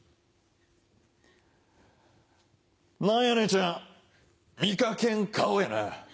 何や姉ちゃん見掛けん顔やな。